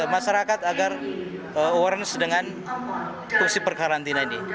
masyarakat agar awareness dengan fungsi perkarantina ini